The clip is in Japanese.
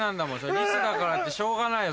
リスだからってしょうがないよ